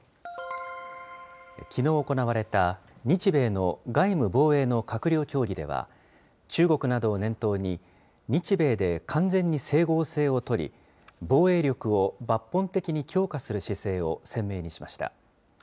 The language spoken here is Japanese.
きのう行われた、日米の外務・防衛の閣僚協議では、中国などを念頭に、日米で完全に整合性をとり、防衛力を抜本的に強化する姿勢を鮮明にしました。